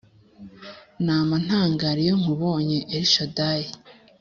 nama ntangara iyo nkubonye elshadai